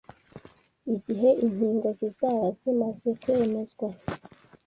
igihe inkingo zizaba zimaze kwemezwa